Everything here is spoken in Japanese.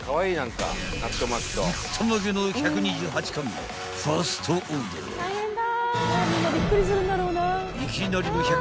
［いきなりの］